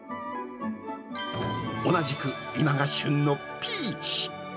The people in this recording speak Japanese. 同じく、今が旬のピーチ。